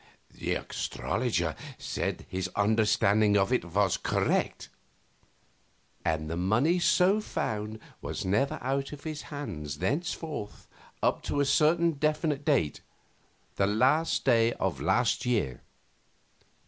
The astrologer said his understanding of it was correct. "And the money so found was never out of his hands thenceforth up to a certain definite date the last day of last year.